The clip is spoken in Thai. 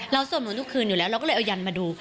สวดหนูทุกคืนอยู่แล้วเราก็เลยเอายันมาดู